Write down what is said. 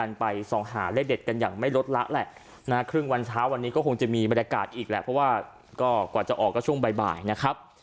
ไปส่องหาเลขเด็ดกันอย่างไม่ลดละแหละนะครึ่งวันเช้าวันนี้ก็คงจะมีบรรยากาศอีกแหละเพราะว่าก็กว่าจะออกก็ช่วงบ่ายนะครับ